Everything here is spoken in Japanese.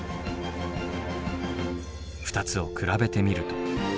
２つを比べてみると。